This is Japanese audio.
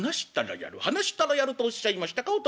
話したらやるとおっしゃいましたかお父っつぁん。